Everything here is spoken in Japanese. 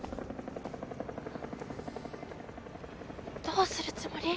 どうするつもり？